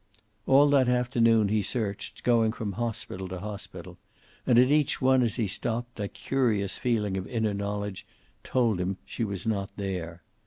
All that afternoon he searched, going from hospital to hospital. And at each one, as he stopped, that curious feeling of inner knowledge told him she was not there.